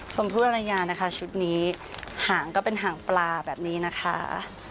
ชมพู่อรยานะคะชุดนี้หางก็เป็นหางปลาแบบนี้นะคะ